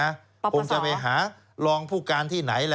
ปรับประสอบผมจะไปหารองผู้การที่ไหนล่ะ